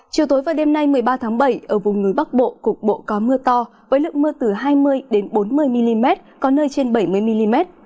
chiều tối và đêm nay một mươi ba tháng bảy ở vùng núi bắc bộ cục bộ có mưa to với lượng mưa từ hai mươi bốn mươi mm có nơi trên bảy mươi mm